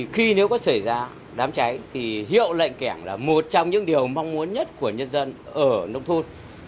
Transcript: khi nếu có xảy ra đám cháy thì hiệu lệnh kẻm là một trong những điều mong muốn nhất của nhân dân ở nông thôn